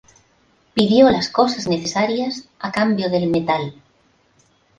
Pidió las cosas necesarias a cambio del metal.